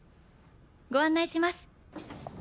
ご案内します。